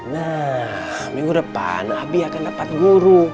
nah minggu depan nabi akan dapat guru